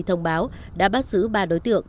thông báo đã bắt giữ ba đối tượng